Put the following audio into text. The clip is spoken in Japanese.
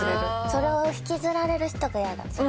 それを引きずられる人が嫌だ。